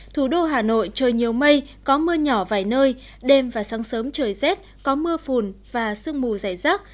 thủ đô hà nội trời nhiều mây có mưa nhỏ vài nơi đêm và sáng sớm trời rét có mưa phùn và sương mù dày rác